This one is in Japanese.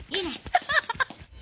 アハハッ！